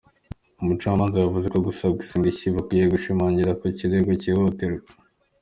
Umucamanza yavuze ko gusaba izi ndishyi bidakwiye gushamikira ku kirego cyihutirwa.